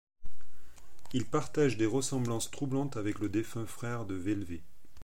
Il partage des ressemblances troublantes avec le défunt frère de Velvet.